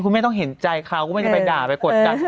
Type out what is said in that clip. แม่ต้องเห็นใจเขาก็ไม่ได้ไปด่าไปกดดัน